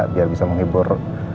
biar bisa menghibur